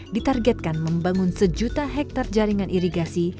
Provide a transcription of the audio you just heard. ditargetkan membangun sejuta hektare jaringan irigasi